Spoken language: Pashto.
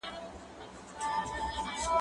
زه کولای سم ليکنې وکړم؟